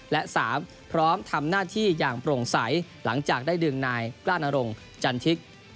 และ๓พร้อมทำหน้าที่อย่างโปร่งใสหลังจากได้ดึงนายกล้านรงจันทิก